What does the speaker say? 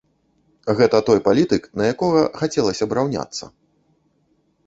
Гэта той палітык, на якога хацелася б раўняцца.